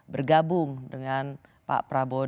bergabung dengan pak prabowo